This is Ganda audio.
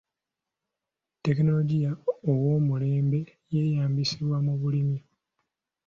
Tekinologiya ow'omulembe yeeyambisibwa mu bulimi.